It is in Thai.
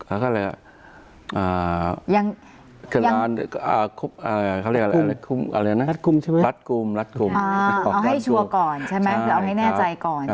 อ่ายังเขาเรียกอะไรนะรัฐกุมใช่มั้ยเอาให้แน่ใจก่อน